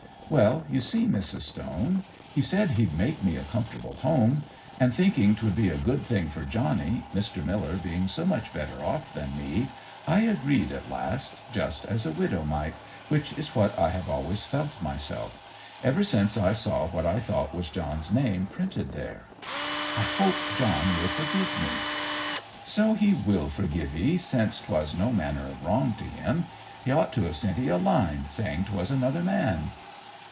'Well, you see, Mrs. Stone, he said he'd make me a comfortable home; and thinking 'twould be a good thing for Johnny, Mr. Miller being so much better off than me, I agreed at last, just as a widow might which is what I have always felt myself; ever since I saw what I thought was John's name printed there. I hope John will forgive me!' 'So he will forgive 'ee, since 'twas no manner of wrong to him. He ought to have sent 'ee a line, saying 'twas another man.'